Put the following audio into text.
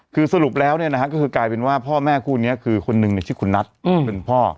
คือสรุปแล้วเนี่ยนะฮะก็คือกลายเป็นว่าพ่อแม่คู่นี้คือคนหนึ่งชื่อคุณนัทเป็นพ่อ